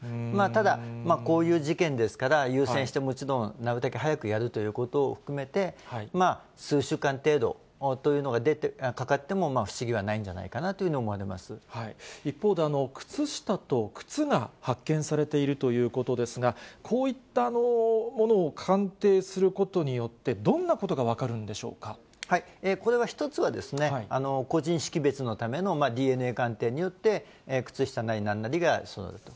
ただ、こういう事件ですから、優先して、もちろんなるたけ早くなるということを含めて、数週間程度というのがかかっても不思議はないんじゃないのかなと一方で、靴下と靴が発見されているということですが、こういったものを鑑定することによって、どんなことが分かるんでこれは１つは、個人識別のためのＤＮＡ鑑定によって、靴下なり、なんなりがそうだと。